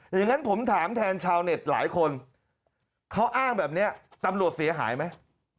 อย่างนั้นผมถามแทนชาวเน็ตหลายคนเขาอ้างแบบนี้ตำรวจเสียหายไหม